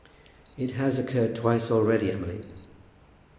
"It has occurred twice already, Emily."